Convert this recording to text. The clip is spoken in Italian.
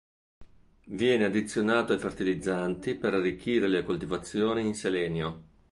Viene addizionato ai fertilizzanti per arricchire le coltivazioni in selenio.